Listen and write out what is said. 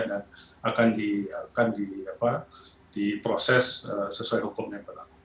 dan akan diproses sesuai hukum yang berlaku